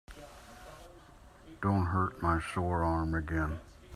Don't hurt my sore arm again.